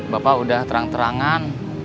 bapak udah terang terangan